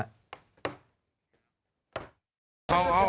เริ่มเรื่อยเริ่มเลย